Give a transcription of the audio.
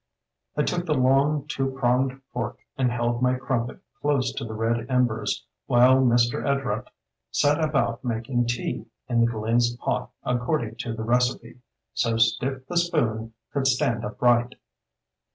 I took the long two pronged fork and held my crumpet close to the red embers, while Mr. Ed rupt set about making tea in the glazed pot according to the recipe, "so stiff the spoon could stand upright".